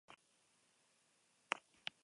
Gaur, baliabide gehiago izango dituzte.